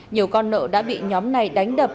nhiều con nợ đã bị nhóm này đánh đập